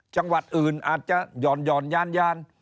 จังหวัดอื่นอาจจะหย่อนยาน